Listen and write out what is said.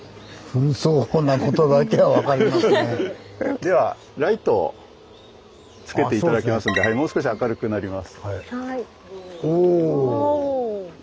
ではライトをつけて頂きますんでもう少し明るくなります。